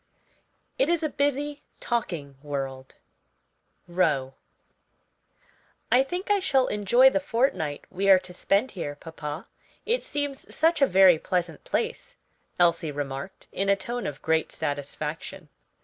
It is a busy, talking world. ROWE. "I think I shall enjoy the fortnight we are to spend here, papa; it seems such a very pleasant place," Elsie remarked, in a tone of great satisfaction.